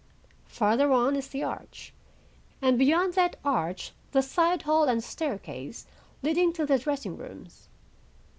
Farther on is the arch, and beyond that arch the side hall and staircase leading to the dressing rooms.